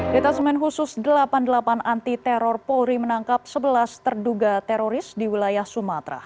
detasemen khusus delapan puluh delapan anti teror polri menangkap sebelas terduga teroris di wilayah sumatera